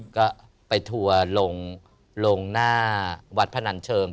ก็ไปทัวร์ลงหน้าวัดพนันเชิง